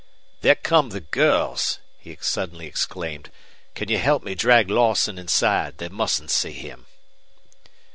"There come the girls!" he suddenly exclaimed. "Can you help me drag Lawson inside? They mustn't see him."